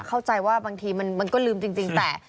เข้าใจว่าบางทีมันก็ลืมจริงแต่